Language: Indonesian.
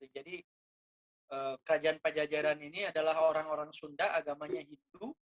jadi kerajaan pajajaran ini adalah orang orang sunda agamanya hindu